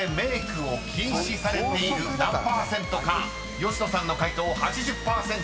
［吉野さんの解答８０％］